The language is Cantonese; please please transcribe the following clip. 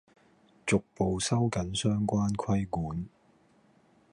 逐步收緊相關規管